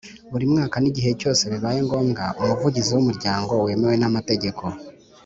Buri mwaka n igihe cyose bibaye ngombwa Umuvugizi w umuryango wemewe n amategeko